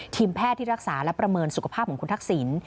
แพทย์ที่รักษาและประเมินสุขภาพของคุณทักษิณ